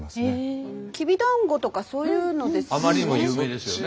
きびだんごとかそういうのですよね。